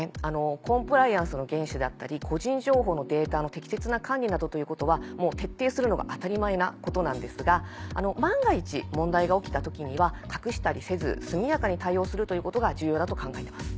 コンプライアンスの厳守だったり個人情報のデータの適切な管理などということはもう徹底するのが当たり前なことなんですが万が一問題が起きた時には隠したりせず速やかに対応するということが重要だと考えてます。